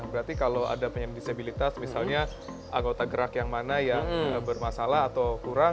berarti kalau ada penyandang disabilitas misalnya anggota gerak yang mana yang bermasalah atau kurang